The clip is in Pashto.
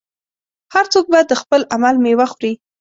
هر څوک به د خپل عمل میوه خوري.